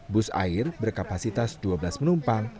bus air berkapasitas dua belas penumpang